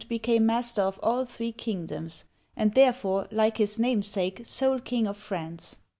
became master of all three kingdoms, and therefore, like his namesake, sole king of France.